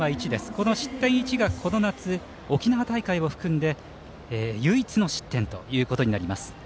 この失点１がこの夏、沖縄大会を含めて唯一の失点ということになります。